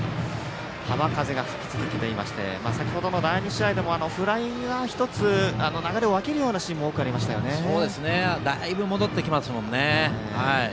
浜風が吹き続けていまして先程の第２試合でも１つ、フライが流れを分けるようなシーンがだいぶ戻ってきますからね。